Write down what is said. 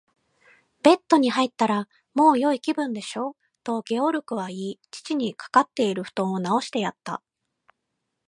「ベッドに入ったら、もうよい気分でしょう？」と、ゲオルクは言い、父にかかっているふとんをなおしてやった。